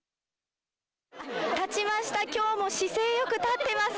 立ちました、きょうも姿勢よく立ってます。